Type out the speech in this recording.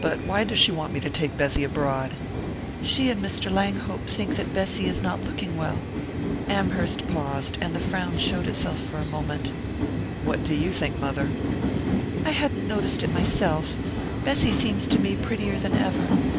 But why does she want me to take Bessy abroad?" "She and Mr. Langhope think that Bessy is not looking well." Amherst paused, and the frown showed itself for a moment. "What do you think, mother?" "I hadn't noticed it myself: Bessy seems to me prettier than ever.